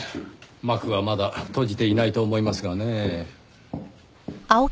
幕はまだ閉じていないと思いますがねぇ。